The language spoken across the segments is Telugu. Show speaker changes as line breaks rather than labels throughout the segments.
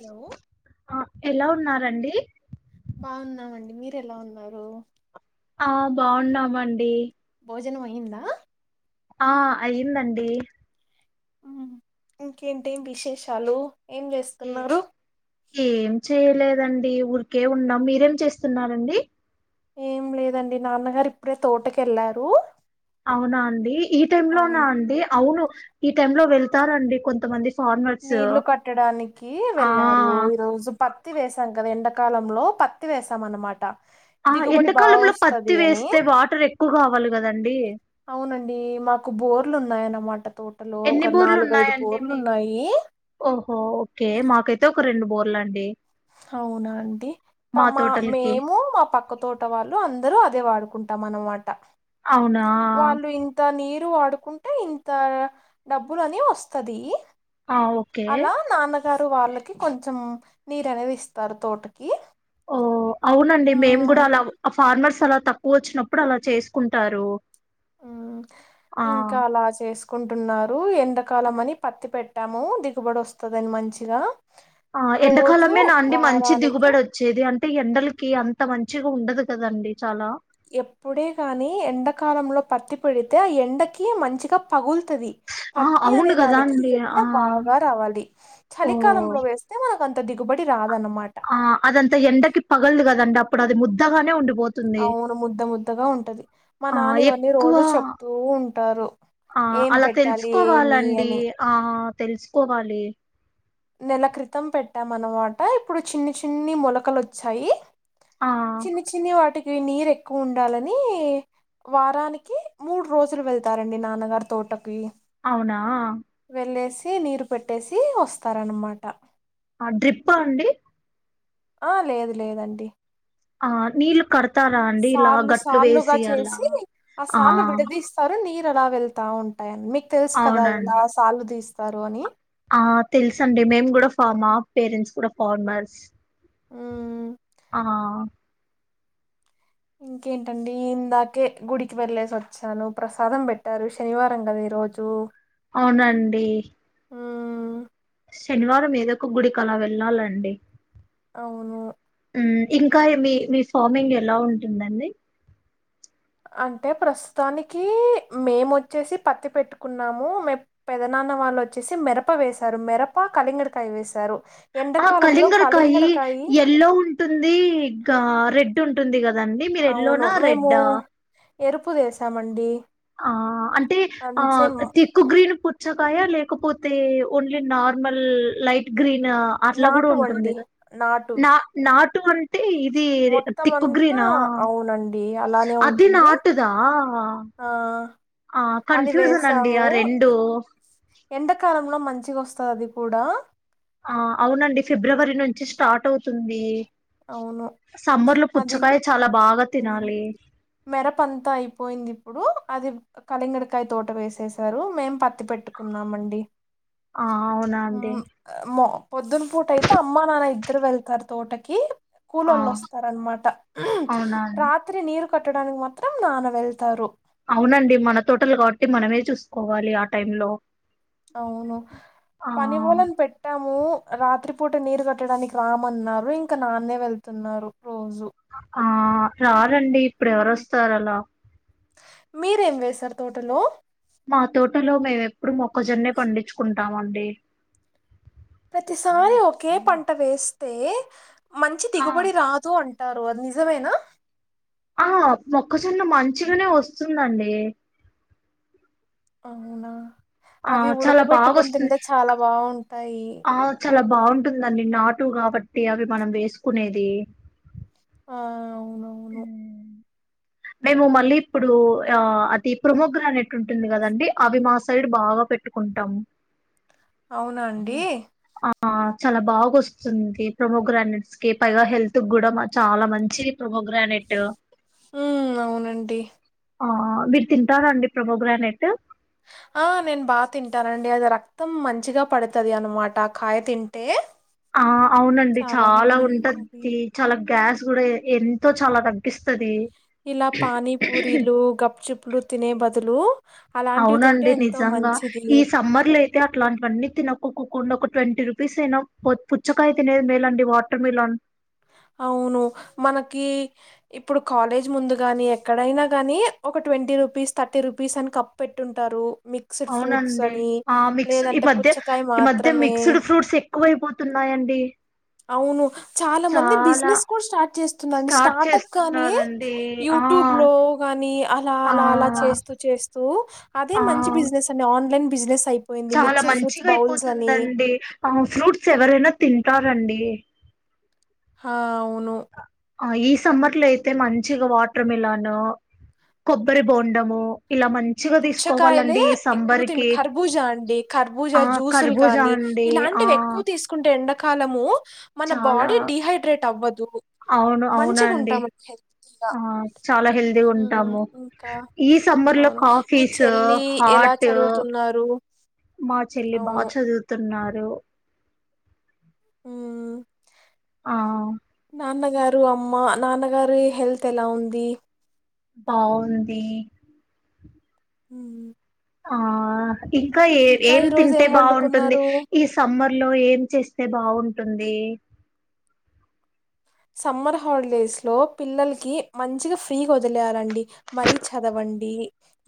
హలో
ఆ ఎలా ఉన్నార్. రండి.
బావున్నాం అండి, మీర్ ఎలా ఉన్నారు.
ఆ బావున్నాం అండి.
భోజనం అయ్యిందా.
ఆ అయ్యిందండి.
ఉమ్ ఇంకేంటి విశేషాలు. ఏం
ఏ
చేస్తున్నారు
ఏం చేయలేద్. దండి ఊరికే ఉన్నాం. మీరేం చేస్తున్నార్ అండి.
ఏం లేదండి, నాన్నగారు ఇప్పుడే తోటక్ ఏళ్లారు.
వునా అండి. ఈ టైం లోన అండి. అవును ఈ టైమ్ లో వెళ్తారండి కొంతమంది స్.
నీళ్లు కోట్టడానికి
ఆ!
వెళ్ళారు, ఈ రోజు పత్తి వేసాం కదా ఎండక్. కాలంలో, పత్తి వేసాం అన్నమాట.
ఆ
దిగుబడి బాగా
ఎండాకాలంలో పత్తి
వస్తది అని
వేస్తే, వాటర్ ఎక్కువ గావాలి. గదండి.
అవునండి, మాకు బోర్లు ఉన్నాయ్ అన్నమాట.
ఎన్ని బోర్లు ఉన్నాయ్ అండి మీక్.
ఉన్నాయి
బోర్లండి.
హావునా అండి. పా మా మేము, మా పక్క తోట వాళ్ళు అందరూ అదే వాడ్. కుంటాం అన్నమాట.
అవునా.
లు వాడుకుంటే ఇంత డబ్బులని ఓస్తది.
ఆ ఓకే.
త్ వాళ్ళకి కొంచెం, నీరు అనేది ఇస్తారు తోటకి.
ఓ అవునండి మేము
మ్మ్
కూడా అలా, ఆ ఫార్మర్స్ అలా తక్కువ అచ్చినప్పుడు అలా చేసుకుంటారు.
ఉమ్
ఆ
ఇంకా అలా చేస్క్. కుంటున్నారు. ఎండాకాలం అని పత్తి పెట్టాము దిగుబడి ఓస్తదని మంచిగా.
ఆ
రోజు
ఎండాకాలమే నా అండి, మంచి
వారానికి
దిగుబడి ఓచ్చేది అంట్. టి ఎండలకి అంత మంచిగా ఉండదు కదండి చాలా.
ఎప్పుడే గాని, ఎండాకాలంలో పత్తి పెడితే ఆ ఎండకి మంచిగా పగుల్తది.
ఆ
పత్తి
అవును
అనే
కదా
దానికి
అండి
ఎండ
ఆ
బాగా రావాలి.
ఓ
చలికాలంలో వేస్తే మనక్ అన్త్. తా దిగుబడి రాద్.
ఆ అదంతా ఎండకి పగల్ద్ కదండీ అది ముద్దగానే ఉండి
అవును ముద్ద ముద్దగా ఉంటది మా
ఆ
నాన్న ఇవన్నీ
ఎక్కువ
రోజు చెప్తూ ఉంటారు
ఆ
ఏం
అలా
పెట్టాలి ఏమి
తెలుసుకోవాలండి
అని
ఆ తెలుసుకోవాలి
నెల క్రితం పెట్టాం అన్నమాట ఇప్పుడు చిన్ని చిన్ని మొలకలొచ్చాయి
ఆ
చిన్ని చిన్ని వాటికి ఇ నీరు ఎక్కువ ఉండాలని వారానికి మూడు రోజులు వెళ్తారండి నాన్నగారి తోటకి
అవునా
వెళ్ళేసి నీరు పెట్టేసి వస్తారన్నమాట
ఆ డ్రిప్ప అండి
ఆ లేదు లేదండి
ఆ నీళ్లు కడతారా అండి ఇలా
సార్లు
గట్లు
సార్లుగా
వేసి అలా
చేసి
ఆ
సార్లు విడదీస్తారు నీరు అలా వెళ్తా ఉంటాయని మీ తెలుసు కదా ఇలా
అవునండి
సాలు తీస్త సర్వాణి
ఆ తెలుసండి మేం కూడా ఫామా పేరెంట్స్ కూడా ఫన్మర్స్
మ్మ్.
ఆ
ఇంకేంటండి ఇందాకే గుడికి వెళ్లేేసి వచ్చాను ప్రసాదం పెట్టారు శనివారం కదా ఈ రోజు
అవునండి
మ్మ్,
శనివారం ఏదో ఒక గుడికి అలా వెళ్ళాలండి
అవును
ఇంకా మీ మీ ఫార్మింగ్ ఎలా ఉంటుందండి
అంటే ప్రస్తుతానికి మేముొచ్చేసి పత్తి పెట్టుకున్నాము మే పెదనాన్న వాళ్ళు వచ్చేసి మిరప వేసారు మిరప కలింగడకాయ వేసారు
ఆ కలింగరకాయ ఎల్లో ఉంటుంది ఇంకా రెడ్ ట్ంటుంది కదా దండి మీరు ఎల్లోనా రెడ్డా
ఎరుపుది వేసామండి
ఆ అంటే ఆ
మంచి
తిక్కు గ్రీన్ పూ చ్చకాయ లేకపోతే ఓన్లీ నార్మల్ లైట్ గ్రీన్ అట్లా కూడా
నాటు
ఉంటుంది
అండి నాటువి
నా టువాన్ అంటే ఇది
మొత్తం అంతా
తిక్కుగ్రీనా
అవునండి అలానే
అది
ఉంటుంది
నాటుదా
ఆ
ఆ
అది
కన్ఫ్యూజన్ అండి ఆ రెండు
వేసాము లో మంచిగా వస్తాది కూడా
ఆ అవునండి ఫిబ్రవరి నుంచి స్టార్ట్ అవుతుంది
అవును
సమ్మర్ లో
అది
పుచ్చకాయ చాలా బాగా తినాలి
మెరప అంతా అయిపోయింది ఇప్పుడు అది కలింగడకాయ తోట వేసేసారు మేం పత్తి పెట్టుకున్నామండి
ఆ అవునా అండి
మ్ మో పొద్దున పూట అయితే అమ్మ నాన్న ఇద్దరు వెళ్తారు తోటకి కీ
ఆ
కూలోళ్ళు వస్తారనమాట
అవునా అండి
రాత్రి నీరు కట్టడానికి మాత్రం నాన్న వెళ్తారు
అవునండి మన తోటలు కాబట్టి మనమే చూసుకోవాలి ఆ టైంలో
అవును పని వోళను పెట్టాము రాత్రి పూట నీరు కట్టడానికి రామన్నారు ఇంక నాన్నే వెళ్తున్నారు రోజు
ఆ రారండి ఇప్పుడు
ఉమ్.
ఎవరొస్తారు అలా
మీరేం వేసారు తోటలో
మా తోటలో మేము ఎప్పుడు మొక్కజొన్నే పండించుకుంట టామండి
ప్రతిసారి ఒకే పంట వేస్తే మంచి
ఆ
దిగుబడి రాదు అంట టారు అది నిజమేనా
ఆ మొక్కజొన్న మంచిగనే వస్తుందండి
అవునా
ఆ
అవి
చాలా బాగా
ఉడకబెట్టుకొని
వస్తుంది
తింటే చాలా బాగుం టాయి
ఆ చాలా బాగుంటుందండి నాటు కాబట్టి అవి మనం వేసుకునేది
ఆ అవు నవును
మేము మల్ ళీ ఇప్పుడు ఆ అతి ప్రోమోగ్రానెట్ ఉంటుంది కదండి అవి మా సైడ్ బాగా పెట్టుకుంటాం
అవు నాండి
ఆ చాలా బాగా వస్తుంది ప్రొమోగ్రానేట్స్ కి పైగా హెల్త్ కూడా చాలా మంచిది ప్రొమోగ్రానేట్.
ఉమ్ అవునండి
ఆ మీరు తింటారా అండి ప్రోమోగ్రానేట్
ఆ నేను బాగా తింటానండి అది రక్తం మంచిగా పడుతది అనమాట ఆ కాయ తింటే,
ఆ అవునండి చాలా ఉంటది తీ చాలా గ్యాస్ కూడా ఎంతో చాలా తగ్గిస్తది
ఇలా పానీ పూరీలు గప్చిప్పులు తినే బదులు అలాంటివి తింటే
అవునండి
ఎంతో
నిజంగా
మంచిది
ఈ సమ్మర్ లో అయితే అట్లాంటివన్నీ తినకోకకు ఉన్నోక్కా ట్వంటీ రూపీస్ అయినా కొత్ పుచ్చకాయ తినేది మేలండి వాటర్ మిలన్
అవును మనకి ఇప్పుడు కాలేజ్ ముందు గాని, ఎక్కడైనా కానీ, ఒక ట్వంటీ రూపీస్, థర్టీ రుపీస్, అని కప్ పెట్టుంటారు. మిక్స్డ్ ఫ్రూట్స్
అవునండి
అని
ఆ మిక్స్ ఈ
లేదంటే
మధ్య
పుచ్చకాయ
ఈ మధ్య
మాత్రమే
మిక్స్డ్ ఫ్రూట్స్ ఎక్కువైపోతున్నాయండి
అవును చాలా మంది బిజినెస్ కూడా స్టార్ట్ చేస్తున్నారండి.
స్టార్ట్
స్టార్ట్ప్ గాని,
చేస్తున్నారండి ఆ
యూట్యూబ్ లో గాని, అలా
ఆ
అలా అలా చేస్తూ చేస్తూ అదే
ఆ
మంచి బిజినెస్ అండి ఆన్లైన్. బిజనేస్
చాలా మంచిగా అయిపోతుందండి ఆ ఫ్రూట్స్ ఎవరైనా తింటా రండి
హ అవ్ ను
ఆ ఈ సమ్మర్ లో అయితే మంచిగా వాటర్ మిలాను కొబ్బరి బోండము ఇలా మంచిగా
పుచ్చకాయలే
తీసుకోవాలండి ఈ
ఎక్కువ
సమ్మర్
తిండు
కి
కర్బూజా అండి కర్బూజ
ఆ
జ్యూసులు
కర్బూజా
కానీ
అండి ఆ
ఇలాంటివి ఎక్కువ తీసుకుంటే ఎండ కాలము
చాలా అవును అవునా
మంచిగా
అండి
ఉంటామండి హెల్తీగా
ఆ చాలా హెల్తీగా
ఉమ్,
ఉంటాము
ఇంకా
ఈ సమ్మర్ లో
అవును
కాఫీ
మీ
ఫీస్
చెల్లి ఎలా
హార్ట్
చదువుతున్నారు
మా చెల్లి బాగా
అవును
చదువుతున్ ఉన్నారు
మ్మ్
ఆ
నాన్నగారు అమ్మ నాన్నగారి హెల్త్ ఎలా ఉంది.
బావుంది
మ్మ్
ఆ ఇంకా ఏ ఏం
ఈరోజు
తింటే బాగుంటుంది.
వండుకున్నారు
ఈ సమ్మర్ లో ఏం చేస్తే బావుంటుంది
సమ్మర్ హాలిడేస్ లో పిల్లలకి మంచిగా ఫ్రీగా వదిలేయాలండి మరీ చదవండి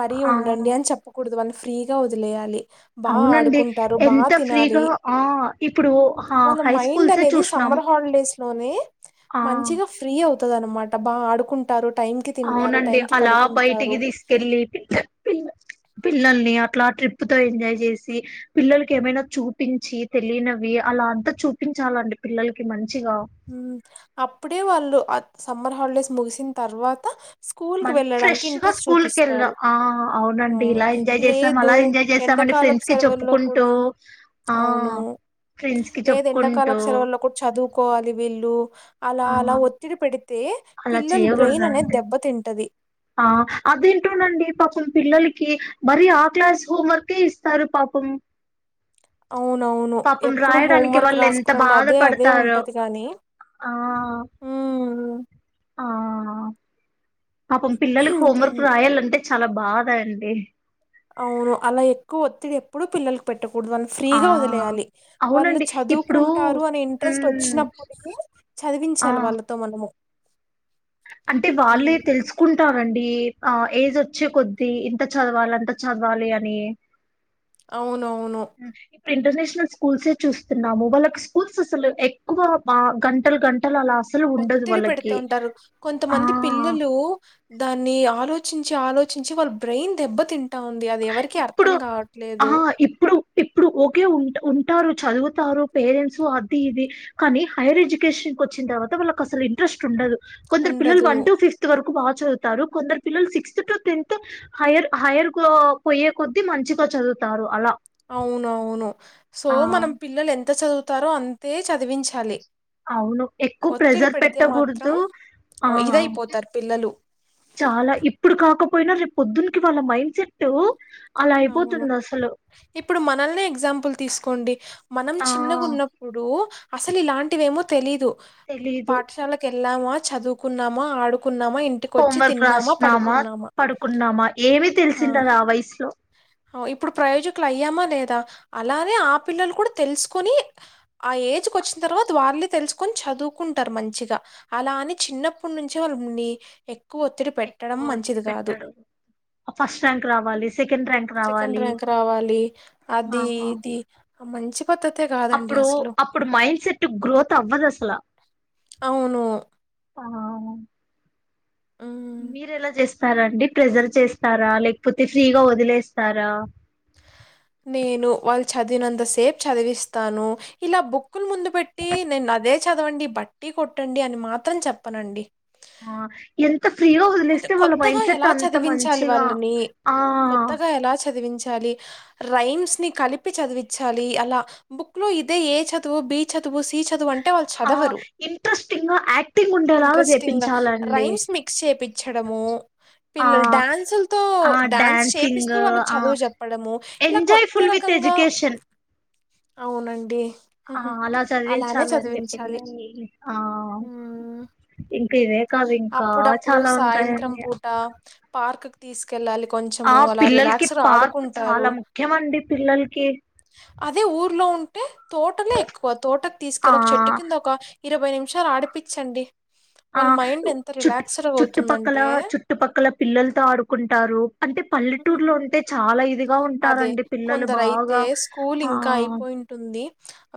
మరీ
ఆ
ఉండండి అని చెప్పకూడదు వాల్ని ఫ్రీగా వదిలేయాలి బా
అవునండి
ఆడుకుంటారు, బా
ఎంత
తినాలి.
ఫ్రీగా ఆ ఇప్పుడు
వాళ్ళ
హై
మైండ్
స్కూల్సే
అనేది
చూసినాము
సమ్మర్ హాలిడేస్ లోనే
ఆ
మంచిగా ఫ్రీ అవ్త్ తుందన్న మాట బా ఆడుకుంటారు టైంకి తింటారు,
అవునండి
టైంకి
అలా
పడుకుంటారు.
బయటికి తెస్కెళ్లి పిల్ల పిల్ల పిల్లల్ని అట్లా ట్రిప్ తో ఎంజాయ్ చేసి పిల్లలకి ఏమైనా చూపించి తెలియనివి అలా అంతా చూపించాలండి పిల్లలకి మంచి
మ్మ్ అప్పుడే వాళ్ళు అత్ సమ్మర్ హాలిడేస్ ముగిసిన తర్వాత స్కూల్‌కి
మళ్ళీ
వెళ్ళడానికి
ఫ్రెష్గా
ఇంట్రెస్ట్
స్కూల్కి ఎల్రా
చూపిస్తారు.
ఆ అవునండి
అవును.
ఇలా ఎంజాయ్ చేసాం,
లేదు
అలా ఎంజాయ్ చేసామని
ఎండాకాలపు
ఫ్రెండ్స్ కి
సెలవుల్లో
చెప్పుకుంటూ
కూడా
ఆ
అవును.
ఫ్రెండ్స్ కి చెప్పుకుంటూ
వీళ్లు అలా
ఆ
అలా ఒత్తిడి పెడితే
అలా
పిల్లల బ్రెయిన్ అనే
చేయకూడదండి
దెబ్బతిింటది
ఆ అదేంటోనండి పాపం పిల్లలకి మరి ఆ క్లాస్ హోంవర్కే ఇస్తారు పాపం
అవునవును
పాపం
ఎప్పుడు
రాయడానికి
హోంవర్క్
వాళ్ళు ఎంత
రాసుకురండి అదే అదే
బాధపడతారో
ఉంటది కాని
ఆ
హ
ఆ పాపం పిల్లలకి హోమ్వర్క్
ఇంకేంటి
రాయాలంటే చాలా బాదా అండి
అవును అలా ఎక్కువ ఒత్తిడి ఎప్పుడుూ పిల్లలకు పెట్టుకు ఇప్పుడు వాళ్ళు
ఆ
ఫ్రీగా వదిలేయాలి వాళ్ళు
అవునండి ఇప్పుడు
చదువుకుంటారు అనే ఇంట్రెస్ట్
మ్
వచ్చినప్పటిక
ఆ
చదివించాలి వాళ్ళతో మనము
అంటే వాళ్ళే
ఉమ్,
తెలుసుకుంటారంం ఆ ఏజ్ వచ్చే కొద్దిీ ఇంత చదవాలి అంత చదవాలి అని
అవును నవును
ఉమ్, ఇంటర్నేషనల్ స్కూల్స్ే చూస్తున్నాము వాళ్ళకి స్కూల్స్ అసలు ఎక్కువ గంటలు గంటలు అలా అసలు ఉండదు
ఒత్తిడి పెడుతూ
వాళ్ళకి
ఉంటారు
ఆ
కొంతమంది పిల్లలు దాన్ని ఆలోచించి ఆలోచించి వాళ్ళ బ్రెయిన్ దెబ్బతి ఉంది అది ఎవరికి
ఇప్పుడు
అర్థం
ఆ!
కావట్లేదు
ఇప్పుడు, ఇప్పుడు ఓకే ఉంట ఉంటారు చదువుతారు పేరెంట్స్ అది ఇది కానీ హైయర్ ఎడ్యుకేషన్ కు వచ్చిన తర్వాత వాళ్ళకి అసలు ఇంట్రెస్ట్ ఉండదు కొంచరు పిల్లలు
ఉండదు
వన్ టు ఫిఫ్త్ వరకు చదువుతారు కొందరు పిల్లలు sixth to tenth higher higher పోయే కొద్ద్దీ మంచిగా చదువుతారు అలా
అవునవును సో
ఆ!
మనం పిల్లలు ఎంత చదువు తారోఅంతే చదివించాలి
అవును ఎక్కువ
ఒత్తిడి
ప్రెజర్
పెడితే మాత్రం
పెట్టకూడదు ఆ
ఇదయిపోతారు పిల్లలు
చాలా ఇప్పుడు కాకపో పోయిన రేపు పొద్దునికి వాళ్ళ మైండ్ సెట్
అవును ఇప్పుడు మనల్నే ఎగ్జాంపుల్ తీసుకోండి మనం
ఆ!
చిన్నగా ఉన్నప్పుడు అసలు ఇలాంటివేమో తెలీదు
తెలీదు
వెళ్లామా చదువుకున్నామా ఆడు
హోం వర్క్ రాస్తున్నామా పడుకున్నామా ఏమి తెలిసింటది ఆ వయసులో
ఇప్పుడు ప్రయోజకులు అయ్యామా లేదా అలానే ఆ పిల్లలు కూడా తెలుసుకొని ఆ ఏజ్కి వచ్చిన తర్వాత వాళ్ళ తెలుసుకొని చదువుకుంటారు మంచిగా అలా అని చిన్నప్పటి నుంచి వాళ్ళని క్కు ఒత్తిడి పెట్టడం
ఎక్కువ ఒత్తి
మంచిది కాదు
పెట్టడు ఫస్ట్ ర్యాంక్ రావాలి సెకండ్ ర్యాంక్
సెకండ్
రావాలి
ర్యాంక్ రావాలి. అది
ఆహా
ఇది ఆ మంచి పద్ధతే కాదండి
అప్పుడు
అసలు.
అప్పుడు మైండ్ సెట్ గ్రోత్ అవ్వద్ అసల
అవును హ్మ్.
మీరెలా చేస్త స్తారండి ప్రెజర్ చేస్తారా లేకపోతే ఫ్రీగా వదిలేస్తారా
నేను వాళ్ళు చదివినంత సేపు చదివిస్తాను ఇలా బుక్ క్కుల్ ముందు పెట్టి నేను అదే చదవండి బట్టి కొట్టండి అని మాత్రం చెప్పనండి
ఆ ఎం
కొంచం కొత్తగా ఎలా చదివించాలి
మంచిగా
వాళ్ళని
ఆ
కొత్తగా ఎలా చదివించాలి రైమ్స్ ని కలిపి చదివిచాలి అలా బుక్ లో ఇదే ఏ చదువు బి చదువు సి చదువు అం
ఆ ఇంట్రెస్టింగా యాక్టింగ్ ఉండేలాగా చేపించాలండి
రము
ఆ
పిల్లలు డ్యాన్సులతో
ఆ
డ్యాన్స్
డ్యాన్సింగ్
చేపిస్తూ వాళ్ళకి
ఆ
చదువు చెప్పడము ఇలా
ఎంజాయ్
కొత్త
ఫుల్ విత్
రకంగా
ఎడ్యుకేషన్
అవునండి
ఆ
హుహు.
అలా
అలానే
చదివించాలండి
చదివించాలి.
పిల్లల్ని ఆ
హ్మ్
ఇంకా ఇవే కాదు ఇంకా చాలా ఉంటాయండి
పార్క్ కి తీసుకెళ్ళాలి
ఆ
కొంచెము. అలా
పిల్లలకి
రిలాక్స్‌గా
పార్క్ చాలా
ఆడుకుంటారు.
ముఖ్యమండి పిల్లలకి
పె తోటలే ఎక్కువ తోటకి
ఆ
తీసుకెళ్ళి ఒక చెట్టు కింద ఒక ఇరవై నిమిషాలు ఆడిపిచండి
ఆ చుట్ చుట్టుపక్కల చుట్టుపక్కల పిల్లలతో ఆడుకుంటారు అంటే
ఉమ్.
పల్లెటూరులో ఉంటే చాలా ఇదిగా
అదే
ఉంటారండి పిల్లలు
కొందరైతే
బాగా
స్కూల్
ఆ
ఇంకా అయిపోయింటుంది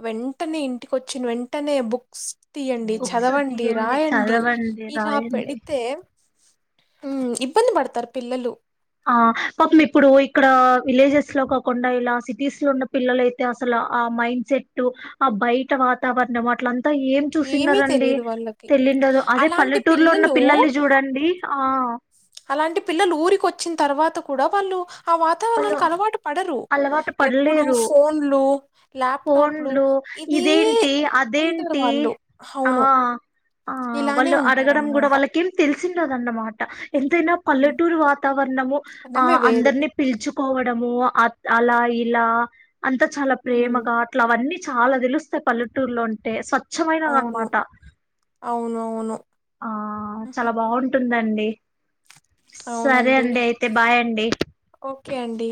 వెంటనే ఇంటికి వచ్చిన వెంటనే బుక్స్ తీయండి
బుక్స్
చదవండి
తీయండి
రాయండి
చదవండి
ఇలా
రాయండి
పెడితే ఇబ్బంది పడతారు పిల్లలు
ఆ పాపం ఇప్పుడు ఇక్కడ విలేజెస్ లో కాకుండా ఇలా సిటీస్ లో ఉన్న పిల్లలయితే అసలు ఆ మైండ్ సెటు ఆ బయట వాతావరణం అట్లంత తా ఏం
ఏమీ
చూసిన్నారండి
తెలియదు వాళ్ళకి
తెల్లిండదు అదే
అలాంటి
పల్లెటూరులో ఉన్న
పిల్లలు
పిల్లల్ని చూడండి ఆ
అలాంటి పిల్లలు ఊరికి వచ్చిన తర్వాత కూడా వాళ్ళు ఆ
వాళ్ళు
వాతావరణానికి అలవాటు పడరు
అలవాటు
ఎప్పుడు
పడలేరు
ఫోన్లు ల్యాప్టాప్లు
ఫోన్లు
ఇదే
ఇదేంటి
ఉంటారు
అదేంటి
వాళ్ళు
ఆ
అవును
ఆ
ఇలానే ఉంటారు అన్నమాట
దండన్న మాట ఎంతైనా పల్లెటూరు వాతావరణము ఆ
మనమే వేరు.
అందరి చ్చుకోవడము అలా ఇలా అంతా చాలా
ఉమ్,
ప్రేమగా అట్లా అవన్నీ చాలా దెలుస్తాయి పల్లెటూర్లో ఉంటే
అవును
స్వచ్చమైనదనమాట
అవునవును
అండి సరే
అవునండి
అండి అయితే బాయ్ అండి
కే అండి